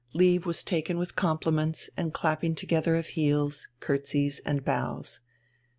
Leave was taken with compliments and clapping together of heels, curtseys, and bows.